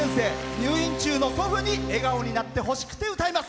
入院中の祖父に笑顔になってほしくて歌います。